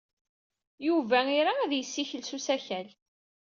Yuba ira ad yessikel s usakal.